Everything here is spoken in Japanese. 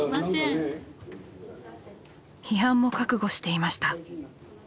批判も覚悟していました。